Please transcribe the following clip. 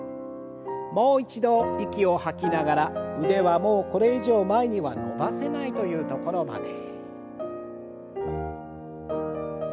もう一度息を吐きながら腕はもうこれ以上前には伸ばせないという所まで。